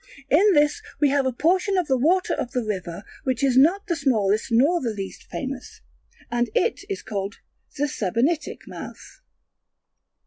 In this we have a portion of the water of the river which is not the smallest nor the least famous, and it is called the Sebennytic mouth.